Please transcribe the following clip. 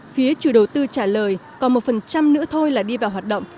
phía chủ đầu tư trả lời còn một phần trăm nữa thôi là đi vào hoạt động